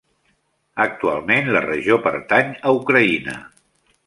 Actualment la regió pertany a Ucraïna.